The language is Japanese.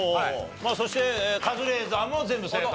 まあそしてカズレーザーも全部正解と。